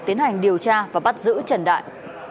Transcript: tiến hành điều tra và bắt giữ trần đại